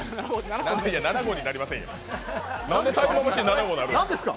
７号になりませんよ。